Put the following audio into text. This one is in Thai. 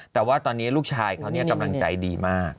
แต่ว่าตอนนี้ลูกชายเขากำลังใจดีมาก